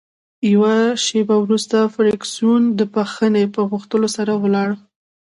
یوه شیبه وروسته فرګوسن د بښنې په غوښتلو سره ولاړه.